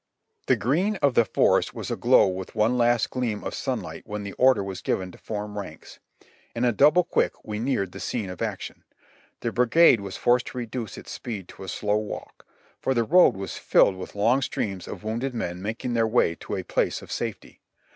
The green of the forest was aglow with one last gleam of sun light when the order was given to form ranks. In a double quick Ave neared the scene of action. The brigade was forced to reduce its speed to a slow walk, for the road was filled with long streams of w^ounded men making their way to a place of safety.